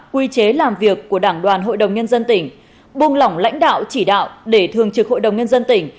quy chế làm việc của đảng đoàn hội đồng nhân dân tỉnh buông lỏng lãnh đạo chỉ đạo để thường trực hội đồng nhân dân tỉnh